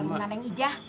di warung naneng ijah